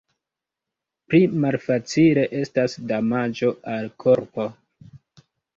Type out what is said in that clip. Pli malfacile estas damaĝo al korpo.